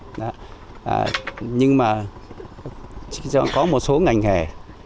nhưng mà có một số ngành hề và trong đó đặc trưng là riêng cái đường và cái cây mía là có những loại đặc thù và các nước khác đặc trưng